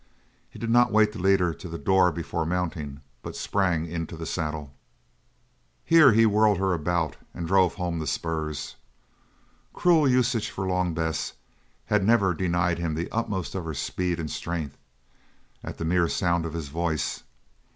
He did not wait to lead her to the door before mounting, but sprang into the saddle. Here he whirled her about and drove home the spurs. Cruel usage, for Long Bess had never denied him the utmost of her speed and strength at the mere sound of his voice.